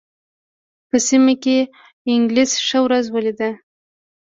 په سیمه کې انګلیس ښه ورځ ولېده.